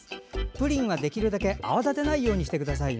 プリンはできるだけ泡立てないようにしてください。